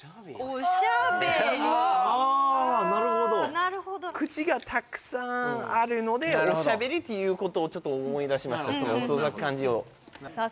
「おしゃべり」ああなるほど・なるほど口がたくさんあるので「おしゃべり」っていうことをちょっと思い出しましたその創作漢字をさあ